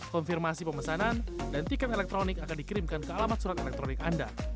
konfirmasi pemesanan dan tikam elektronik akan dikirimkan ke alamat surat elektronik anda